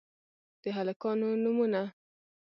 د هلکانو نومونه: